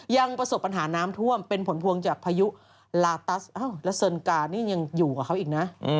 ยังประสบปัญหาน้ำท่วมเป็นผลพวงจากพายุลาตัสและเซินกานี่ยังอยู่กับเขาอีกนะ